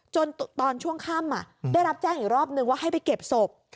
ตอนช่วงค่ำได้รับแจ้งอีกรอบนึงว่าให้ไปเก็บศพ